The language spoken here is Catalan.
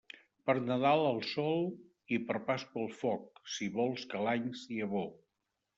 Per Nadal al sol i per Pasqua al foc, si vols que l'any sia bo.